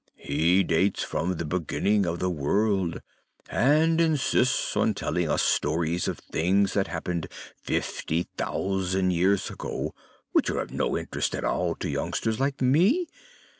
"He dates from the beginning of the world, and insists on telling us stories of things that happened fifty thousand years ago, which are of no interest at all to youngsters like me.